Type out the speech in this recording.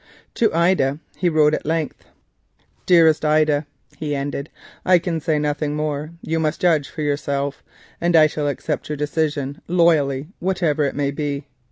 To Ida herself he also wrote at length: "Dearest Ida," he ended, "I can say nothing more; you must judge for yourself; and I shall accept your decision loyally whatever it may be.